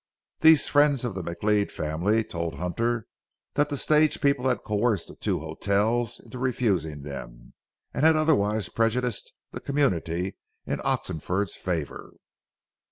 These friends of the McLeod family told Hunter that the stage people had coerced the two hotels into refusing them, and had otherwise prejudiced the community in Oxenford's favor.